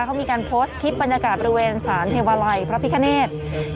เขามีการโพสต์คลิปบรรยากาศบริเวณสารเทวาลัยพระพิคเนธ